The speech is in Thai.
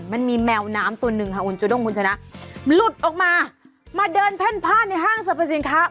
มันมีแมวน้ำตัวหนึ่งค่ะคุณจูด้งคุณชนะหลุดออกมามาเดินเพ่นผ้าในห้างสรรพสินค้า